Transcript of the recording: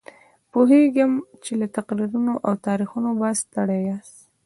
پوهېږم چې له تقریرونو او تاریخونو به ستړي یاست.